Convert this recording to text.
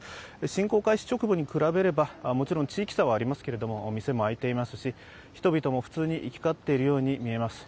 侵攻開始直後に比べればもちろん地域差はありますけれども、店も開いていますし人々も普通に行き交っているように見えます。